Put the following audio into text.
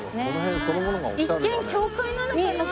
一見教会なのかな？ってね。